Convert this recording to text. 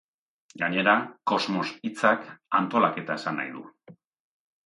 Gainera, kosmos hitzak, antolaketa esan nahi du.